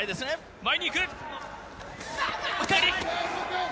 前に行く！